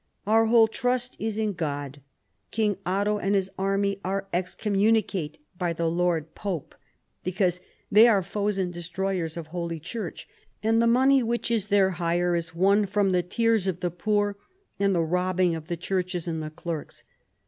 " Our whole trust is in God. King Otto and his army are excommunicate by the Lord Pope, because they are foes and destroyers of holy Church, and the money which is their hire is won from the tears of the poor and the robbing of the churches and the clerks.